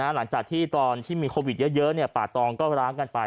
หลังจากที่ตอนที่มีโควิดเยอะป่าตองก็ร้างกันไป